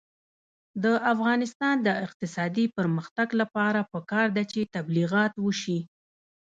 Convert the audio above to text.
د افغانستان د اقتصادي پرمختګ لپاره پکار ده چې تبلیغات وشي.